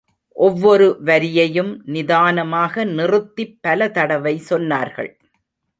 ஒவ்வொரு வரியையும் நிதானமாக நிறுத்திப் பல தடவை சொன்னார்கள்.